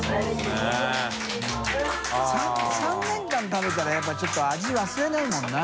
廓食べたらやっぱりちょっと味忘れないもんな。